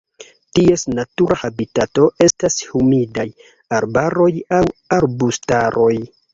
Ties natura habitato estas humidaj arbaroj aŭ arbustaroj.